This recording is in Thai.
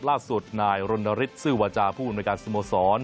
ล่าสุดนายรณฤษซื้อวจาผู้อุณหการสมสรรค์